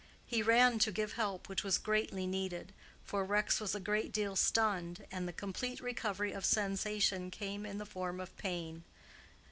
He ran to give help which was greatly needed, for Rex was a great deal stunned, and the complete recovery of sensation came in the form of pain.